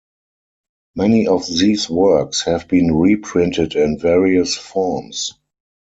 Many of these works have been reprinted in various forms.